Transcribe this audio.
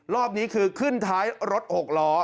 รอบนี้คือขึ้นท้ายรถ๖ล้อ